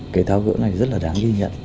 cái tháo gỡ này rất là đáng ghi nhận